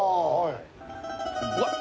うわっ！